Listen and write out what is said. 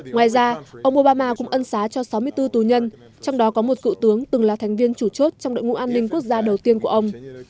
ngoài ra ông mobama cũng ân xá cho sáu mươi bốn tù nhân trong đó có một cựu tướng từng là thành viên chủ chốt trong đội ngũ an ninh quốc gia đầu tiên của ông